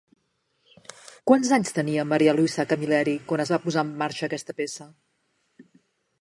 Quants anys tenia Maria Luisa Camilleri quan es va posar en marxa aquesta peça?